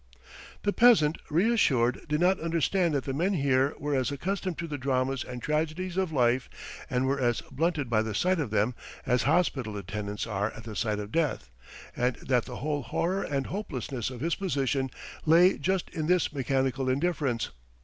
... The peasant, reassured, did not understand that the men here were as accustomed to the dramas and tragedies of life and were as blunted by the sight of them as hospital attendants are at the sight of death, and that the whole horror and hopelessness of his position lay just in this mechanical indifference.